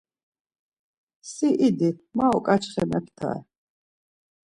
Si idi, ma uǩaçxe meftare.